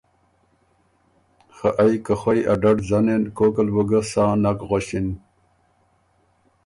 خه ائ که خوئ ا ډډ ځنېن کوک ال بُو ګه سا نک غؤݭِن۔